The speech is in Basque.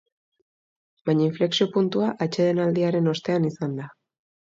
Baina inflexio-puntua atsedenaldiaren ostean izan da.